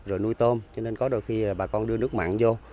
rồi nuôi tôm cho nên có đôi khi bà con đưa nước mặn vô